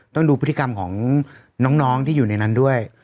ต้องดูพฤติกรรมของน้องที่อยู่ในนั้นด้วย